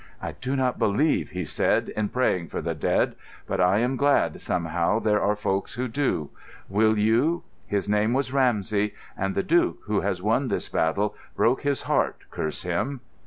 "I do not believe," he said, "in praying for the dead. But I am glad, somehow, there are folks who do. Will you? His name was Ramsey; and the Duke, who has won this battle, broke his heart, curse him!"